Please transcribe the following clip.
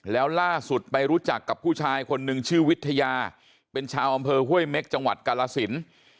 แล้วล่าสุดไปรู้จักกับผู้ชายคนนึงชื่อวิทยาเป็นชาวอำเภอห้วยเม็กจังหวัดกาลสิน